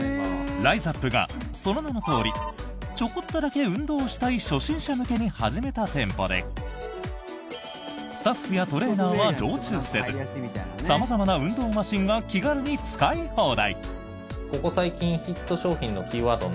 ＲＩＺＡＰが、その名のとおりちょこっとだけ運動をしたい初心者向けに始めた店舗でスタッフやトレーナーは常駐せず様々な運動マシンが気軽に使い放題。